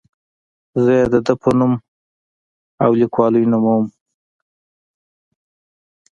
زه یې د ده په نوم او لیکلوالۍ نوموم.